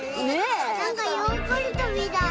なんかヨーグルトみたい。